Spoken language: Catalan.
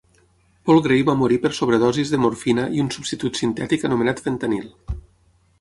Paul Gray va morir per sobredosis de morfina i un substitut sintètic anomenat fentanil.